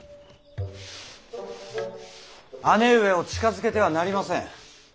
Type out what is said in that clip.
姉上を近づけてはなりません。